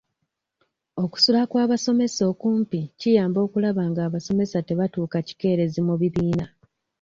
Okusula kw'abasomesa okumpi kiyamba okulaba nga abasomesa tebatuuka kikeerezi mu bibiina.